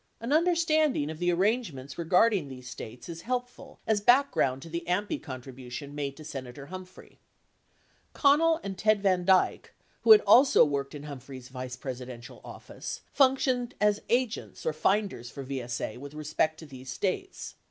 An understanding of the arrangements regarding these States is helpful as background to the AMPI contribution made to Senator Humphrey. Connell and Ted Van Dyk, who had also worked in Humphrey's Vice Presidential office, functioned as agents or finders for VSA with respect to these States.